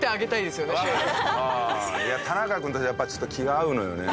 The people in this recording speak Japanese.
田中君とは、やっぱちょっと気が合うのよね。